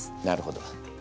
なるほど。